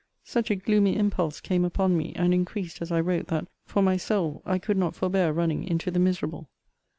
Such a gloomy impulse came upon me, and increased as I wrote, that, for my soul, I could not forbear running into the miserable.